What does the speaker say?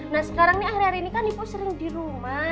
nah sekarang nih akhir akhir ini kan ibu sering di rumah